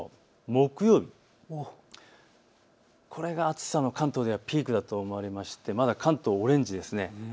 木曜日、これは関東での暑さがピークだと思われましてまだ関東はオレンジです。